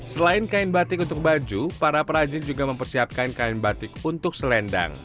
selain kain batik untuk baju para perajin juga mempersiapkan kain batik untuk selendang